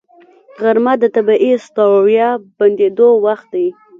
غرمه د طبیعي ستړیا بندېدو وخت دی